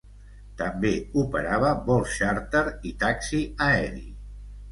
També operava vols xàrter i taxi aeri.